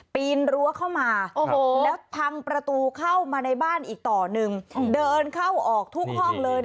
ปีนรั้วเข้ามาแล้วพังประตูเข้ามาในบ้านอีกต่อหนึ่งเดินเข้าออกทุกห้องเลย